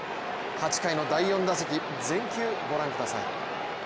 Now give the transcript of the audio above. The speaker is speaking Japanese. ８回の第４打席、全球ご覧ください。